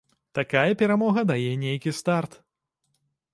Такая перамога дае нейкі старт.